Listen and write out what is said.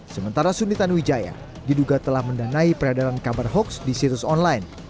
sementara suni tanuwijaya diduga telah mendanai peredaran kabar hoax di situs online